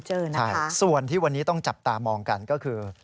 กรณีนี้ทางด้านของประธานกรกฎาได้ออกมาพูดแล้ว